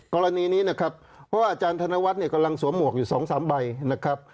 กรณีนี้นะครับเพราะว่าอาจารย์ธนวัฒน์เนี่ยกำลังสวมหวกอยู่๒๓ใบนะครับ